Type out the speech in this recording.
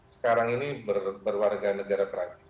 sekarang ini berwarga negara perancis